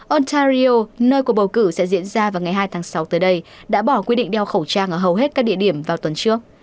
ontario nơi cuộc bầu cử sẽ diễn ra vào ngày hai tháng sáu tới đây đã bỏ quy định đeo khẩu trang ở hầu hết các địa điểm vào tuần trước